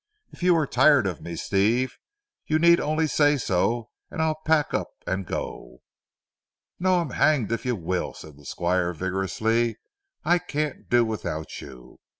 If you are tired of me Steve, you need only say so, and I'll pack up and go." "No, I'm hanged if you will," said the Squire vigorously. "I can't do without you.